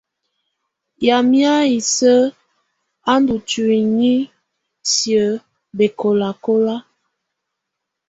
Yamɛ̀á isǝ́ á ndù ntuinyii siǝ́ bɛkɔlakɔla.